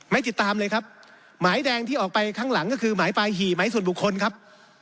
ไม่ติดตามเลยครับหมายแดงที่ออกไปข้างหลังก็คือหมายปลายหี่หมายส่วนบุคคลครับ